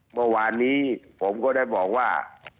เมื่อวานนี้ผมก็ได้บอกว่า